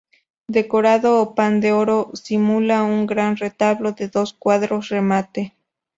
Decorado a pan de oro; simula un gran retablo de dos cuadros y remate.